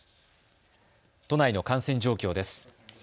都内の感染状況です。